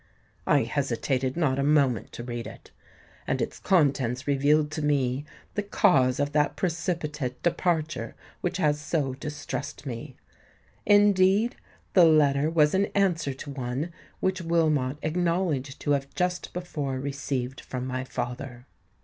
I hesitated not a moment to read it; and its contents revealed to me the cause of that precipitate departure which has so distressed me. Indeed, the letter was in answer to one which Wilmot acknowledged to have just before received from my father.